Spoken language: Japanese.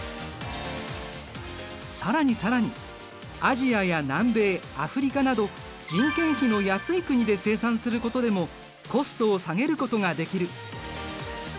更に更にアジアや南米アフリカなど人件費の安い国で生産することでもコストを下げることができる。